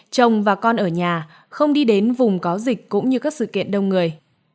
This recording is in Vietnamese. chồng và con ở nhà không đi đến vùng có dịch cũng như các sự kiện đông người